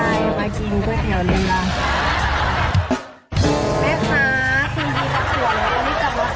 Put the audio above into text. ไอ้ค่าคืนดีกับหัวละวันนี้จะมาหายล่ะ